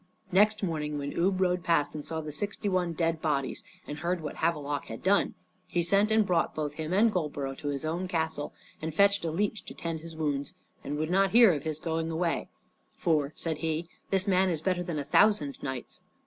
Next morning, when Ubbe rode past and saw the sixty one dead bodies, and heard what Havelok had done, he sent and brought both him and Goldborough to his own castle, and fetched a leech to tend his wounds, and would not hear of his going away; for, said he, "This man is better than a thousand knights."